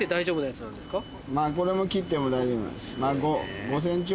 これも切っても大丈夫なんです。